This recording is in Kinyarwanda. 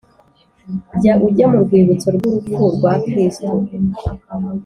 Jya ujya mu Rwibutso rw urupfu rwa Kristo